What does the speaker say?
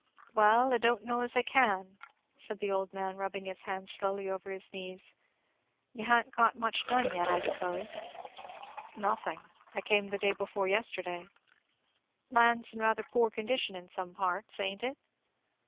"Well, I don't know as I can," said the old man, rubbing his hands slowly over his knees. "You ha'n't got much done yet, I s'pose?" "Nothing. I came the day before yesterday." "Land's in rather poor condition in some parts, ain't it?"